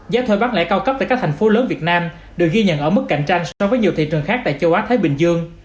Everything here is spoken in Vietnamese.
giá thuê bán lẻ cao cấp tại các thành phố lớn việt nam được ghi nhận ở mức cạnh tranh so với nhiều thị trường khác tại châu á thái bình dương